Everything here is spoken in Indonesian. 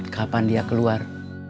kapan dia keluar